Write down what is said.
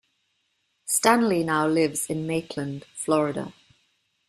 Stanley now lives in Maitland, Florida.